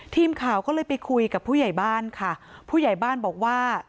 ทีมข่าวก็เลยไปคุยกับผู้ใหญ่บ้านค่ะผู้ใหญ่บ้านบอกว่า